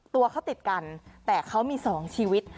ตัวเขาติดกันแต่เขามี๒ชีวิต